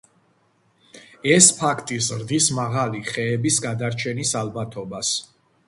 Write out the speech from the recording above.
ეს ფაქტი ზრდის მაღალი ხეების გადარჩენის ალბათობას.